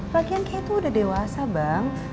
lagian kei tuh udah dewasa bang